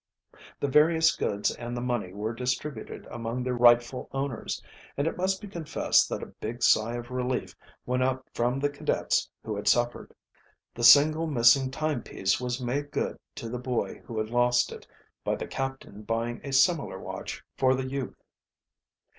The various goods and the money were distributed among their rightful owners, and it must be confessed that a big sigh of relief went up from the cadets who had suffered. The single missing timepiece was made good to the boy who had lost it, by the captain buying a similar watch for the youth.